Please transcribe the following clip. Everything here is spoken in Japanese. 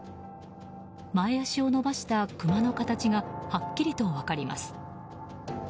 前足を伸ばしたクマの形がはっきりと分かります。